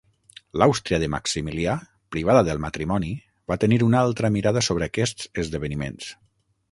L'Àustria de Maximilià, privada del matrimoni, va tenir una altra mirada sobre aquests esdeveniments.